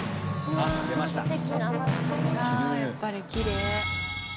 ああやっぱりきれい。